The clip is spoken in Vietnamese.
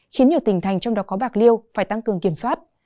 khiến nhiều tỉnh thành trong đó có bạc liêu phải tăng cường kiểm soát